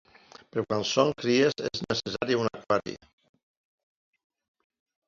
Per quan són cries és necessari un aquari.